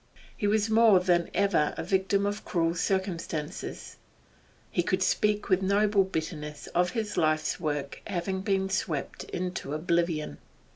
He was more than ever a victim of cruel circumstances; he could speak with noble bitterness of his life's work having been swept into oblivion.